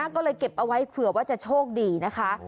ก็เลยเก็บเอาไว้เผื่อว่าจะโชคดีนะคะ